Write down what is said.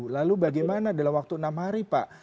lalu bagaimana dalam waktu enam hari pak